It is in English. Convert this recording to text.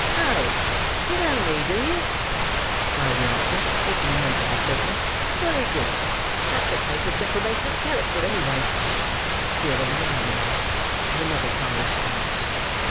"Oh! you know me, do you?" cried the Artful, making a note of the statement. "Wery good. That's a case of deformation of character, any way." Here there was another laugh, and another cry of silence.